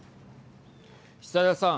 久枝さん。